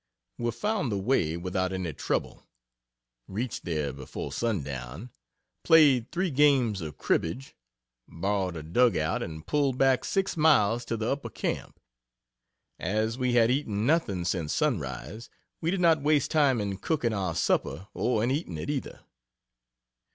We found the way without any trouble, reached there before sundown, played three games of cribbage, borrowed a dug out and pulled back six miles to the upper camp. As we had eaten nothing since sunrise, we did not waste time in cooking our supper or in eating it, either.